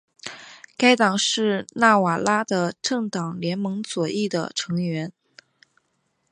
该党是纳瓦拉的政党联盟左翼的成员。